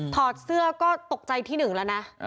อดเสื้อก็ตกใจที่หนึ่งแล้วนะ